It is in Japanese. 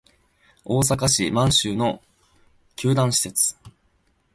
大阪市・舞洲の球団施設